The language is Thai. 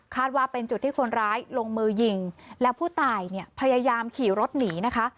ว่าเป็นจุดที่คนร้ายลงมือยิงแล้วผู้ตายเนี่ยพยายามขี่รถหนีนะคะ